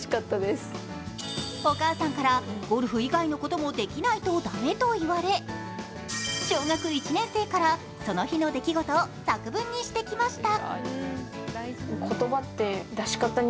お母さんからゴルフ以外のこともできないと駄目と言われ小学１年生からその日の出来事を作文にしてきました。